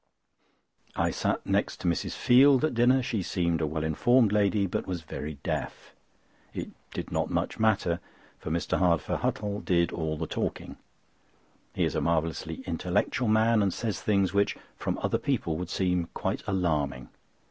I sat next to Mrs. Field at dinner. She seemed a well informed lady, but was very deaf. It did not much matter, for Mr. Hardfur Huttle did all the talking. He is a marvellously intellectual man and says things which from other people would seem quite alarming.